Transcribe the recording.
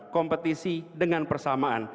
kompetisi dengan persamaan